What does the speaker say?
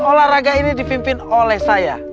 olahraga ini dipimpin oleh saya